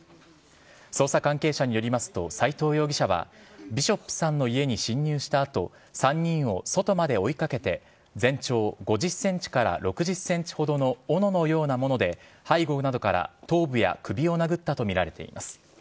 捜査関係者によりますと、斎藤容疑者は、ビショップさんの家に侵入したあと、３人を外まで追いかけて、全長５０センチから６０センチほどのおののようなもので、背後などから頭部や首を殴ったと見られています。